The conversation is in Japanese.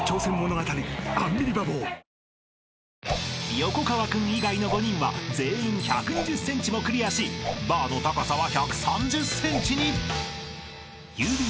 ［横川君以外の５人は全員１２０ｃｍもクリアしバーの高さは１３０ｃｍに］